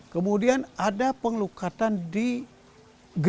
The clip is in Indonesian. kemudian ada pengelukatan di gereja